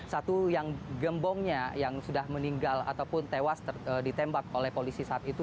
satu yang gembongnya yang sudah meninggal ataupun tewas ditembak oleh polisi saat itu